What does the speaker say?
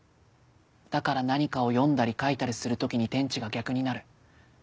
だから何かを読んだり描いたりする時に天地が逆になる。